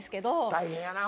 大変やな。